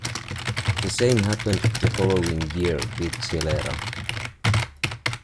The same happened the following year with Gilera.